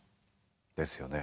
ですよね。